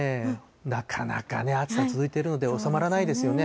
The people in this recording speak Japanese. なかなかね、暑さ続いているので、収まらないですよね。